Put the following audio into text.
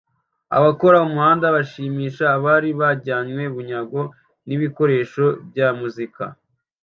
Abakora umuhanda bashimisha abari bajyanywe bunyago nibikoresho bya muzika